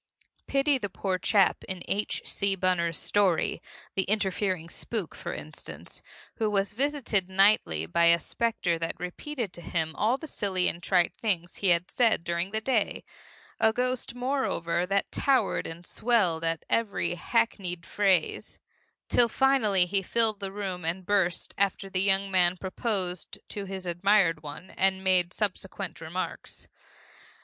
Pity the poor chap in H. C. Bunner's story, The Interfering Spook, for instance, who was visited nightly by a specter that repeated to him all the silly and trite things he had said during the day, a ghost, moreover, that towered and swelled at every hackneyed phrase, till finally he filled the room and burst after the young man proposed to his admired one, and made subsequent remarks.